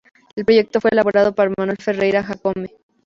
El proyecto fue elaborado por Manuel Ferreira Jácome.